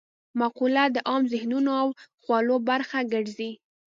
مقوله د عام ذهنونو او خولو برخه ګرځي